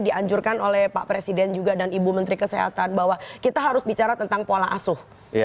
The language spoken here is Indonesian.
dianjurkan oleh pak presiden juga dan ibu menteri kesehatan bahwa kita harus bicara tentang pola asuh